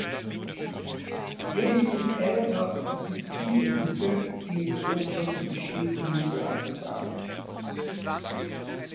Wesentlich älter ist die Ziegelhütte, die es wohl schon im späten Mittelalter gab.